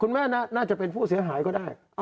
น่าจะเป็นผู้เสียหายก็ได้